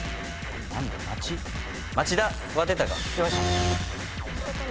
町田は出たか。